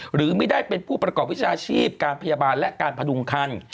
หรือไม่ได้เป็นผู้ประกอบวิชาชีพการพยาบาลและการพดุงคัน